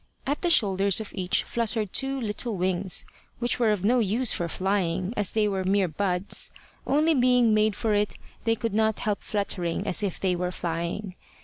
At the shoulders of each fluttered two little wings, which were of no use for flying, as they were mere buds; only being made for it they could not help fluttering as if they were flying.